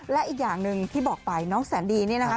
และอีกอย่างหนึ่งที่บอกไปน้องแสนดีนี่นะคะ